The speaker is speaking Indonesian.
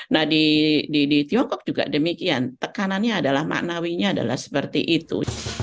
nah di tiongkok juga demikian tekanannya adalah maknawinya adalah seperti itu